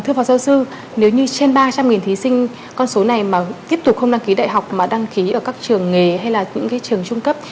thưa phó giáo sư nếu như trên ba trăm linh thí sinh con số này mà tiếp tục không đăng ký đại học mà đăng ký ở các trường nghề hay là những trường trung cấp